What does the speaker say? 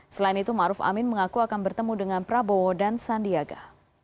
selain itu ⁇ maruf ⁇ amin mengaku akan bertemu dengan prabowo dan sandiaga